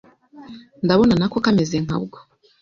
Ndabona na ko kameze nka bwo